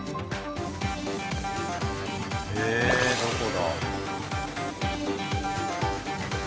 へえどこだ？